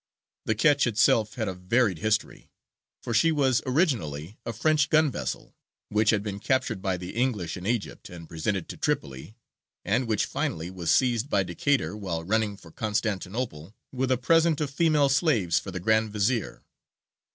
The ketch itself had a varied history, for she was originally a French gun vessel, which had been captured by the English in Egypt and presented to Tripoli, and which finally was seized by Decatur while running for Constantinople with a present of female slaves for the Grand Vezīr.